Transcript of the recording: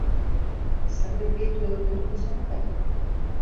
Zerbait gehitu edo kenduko zenuke?